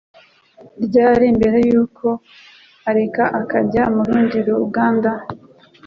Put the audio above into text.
ryari mbere yuko areka akajya mu rundi ruganda?